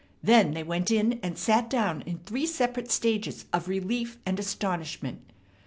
Then they went in and sat down in three separate stages of relief and astonishment.